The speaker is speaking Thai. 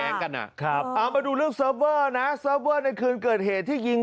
เอามาดูเรื่องเสิฟเวอร์นะเคิร์ดในคืนเกิดเหตุที่ยิง